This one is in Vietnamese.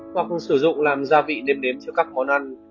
hoặc cũng sử dụng làm gia vị nếm nếm cho các món ăn